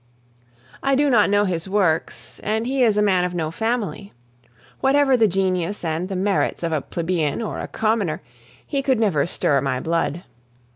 I do not know his works, and he is a man of no family. Whatever the genius and the merits of a plebeian or a commoner, he could never stir my blood.